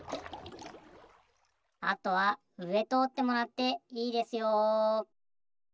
あとはうえとおってもらっていいですよ。